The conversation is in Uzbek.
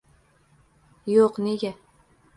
- Yo'q, nega?